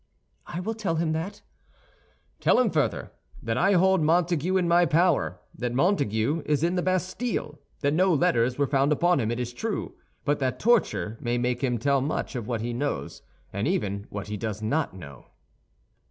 "I will tell him that." "Tell him further that I hold Montague in my power; that Montague is in the Bastille; that no letters were found upon him, it is true, but that torture may make him tell much of what he knows, and even what he does not know."